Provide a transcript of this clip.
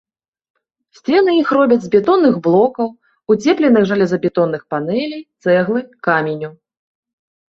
Сцены іх робяць з бетонных блокаў, уцепленых жалезабетонных панэлей, цэглы, каменю.